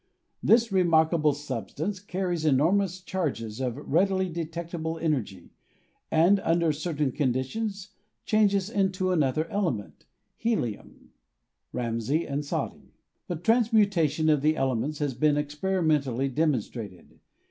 This remarkable substance carries enormous charges of readily detectable energy and under certain conditions changes into another element, helium (Ramsay and Soddy). The transmutation of the elements has been experimentally demonstrated.